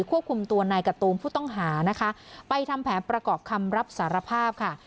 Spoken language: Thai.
ควบคุมตัวนายกะตูมผู้ต้องหานะคะไปทำแผนประกอบคำรับสารภาพค่ะ